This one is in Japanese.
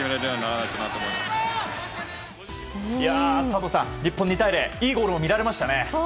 佐藤さん、日本の２対０といいゴールが見られましたね。